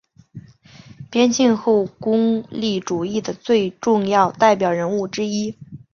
边沁后功利主义的最重要代表人物之一。